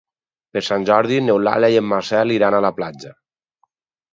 Per Sant Jordi n'Eulàlia i en Marcel iran a la platja.